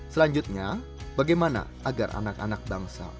selanjutnya bagaimana agar anak anak bangsa